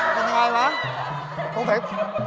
เป็นทางหรือโทษเฟ้ย